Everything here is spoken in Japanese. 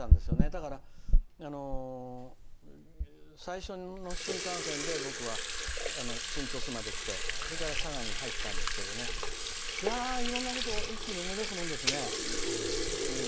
だから、最初の新幹線で僕は新鳥栖まで来てそれから佐賀に入ったんですけどいろんなことを思い出すものですね。